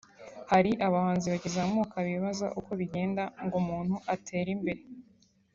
Hari abahanzi bakizamuka bibaza uko bigenda ngo umuntu atere imbere